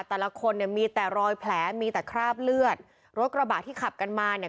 แต่ละคนเนี่ยมีแต่รอยแผลมีแต่คราบเลือดรถกระบะที่ขับกันมาเนี่ย